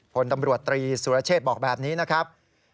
ผลตำรวจตรีสุรเชษฐ์บอกแบบนี้นะครับ